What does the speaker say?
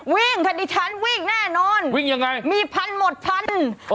วิ่งทัศน์ดิฉันวิ่งแน่นอนมีพันหมดพัน๓